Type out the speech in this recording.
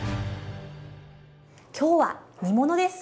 今日は煮物です。